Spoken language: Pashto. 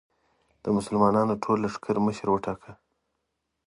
د مسلمانانو د ټول لښکر مشر وټاکه.